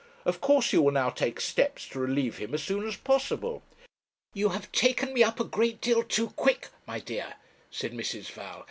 Of course you will now take steps to relieve him as soon as possible.' 'You have taken me up a great deal too quick, my dear,' said Mrs. Val.